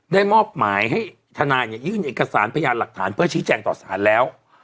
ได้มอบหมายให้ทนายเนี่ยยื่นเอกสารพยานหลักฐานเพื่อชี้แจงต่อสารแล้ว